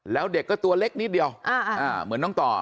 แล้วเด็กก็ตัวเล็กนิดเดียวเหมือนน้องต่อ